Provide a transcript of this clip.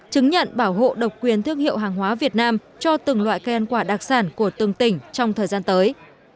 chứng nhận bảo hộ độc quyền thương hiệu hàng hóa việt nam cho từng loại cây ăn quả đặc sản của từng tỉnh trong thời gian tới